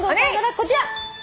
こちら。